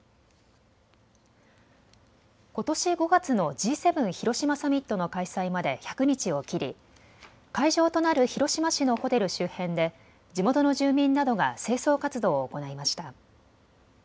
ことし５月のＧ７広島サミットの開催まで１００日を切り、会場となる広島市のホテル周辺で地元の住民などが清掃活動を行いました。